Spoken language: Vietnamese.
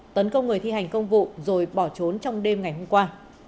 tấn công người thi hành công vụ rồi bỏ trốn trong đêm ngày hôm qua